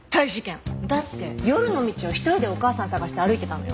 だって夜の道を一人でお母さん捜して歩いてたのよ？